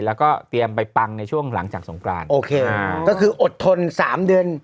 แล้วก็เตรียมไปปังในช่วงหลังจากสงกรานโอเคก็คืออดทน๓เดือน